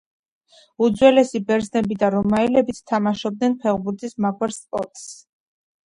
უძველესი ბერძნები და რომაელებიც თამაშობდნენ ფეხბურთის მაგვარ სპორტს